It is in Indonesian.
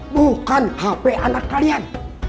bukan hp anak kalian